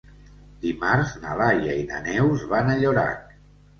Dimarts na Laia i na Neus van a Llorac.